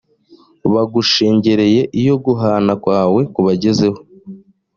bagushengereye iyo guhana kwawe kubagezeho